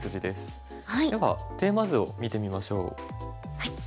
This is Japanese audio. ではテーマ図を見てみましょう。